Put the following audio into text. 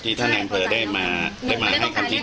ดูอีกทีตอนที่แดมเบอร์พูดอ่ะเดี๋ยวลองดู